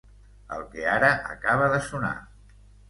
El que ara acaba de sonar.